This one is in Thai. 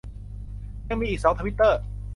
ยังมีอีกสองทวิตเตอร์